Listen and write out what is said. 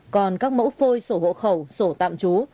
còn các mẫu phôi sổ hộ khẩu sổ tạm trú